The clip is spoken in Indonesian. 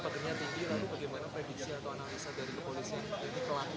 lalu bagaimana prediksi atau analisa dari kepolisian